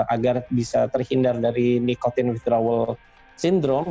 agar bisa terhindar dari nikotin withdrawal syndrome